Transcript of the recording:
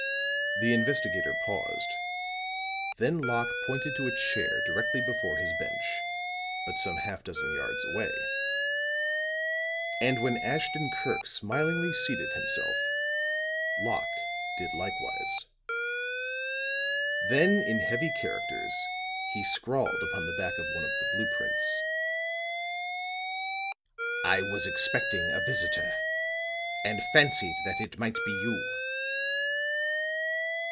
The investigator paused; then Locke pointed to a chair directly before his bench, but some half dozen yards away; and when Ashton Kirk smilingly seated himself, Locke did likewise. Then in heavy characters he scrawled upon the back of one of the blue prints. "I was expecting a visitor, and fancied that it might be you."